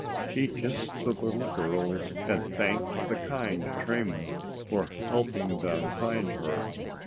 She kissed the little girls and thanked the kind trainman for helping them find her.